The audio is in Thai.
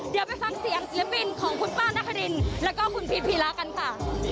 เดี๋ยวไปฟังเสียงศิลปินของคุณป้านครินแล้วก็คุณพีชพีระกันค่ะ